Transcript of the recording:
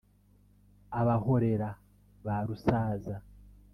abahorera ba rusaza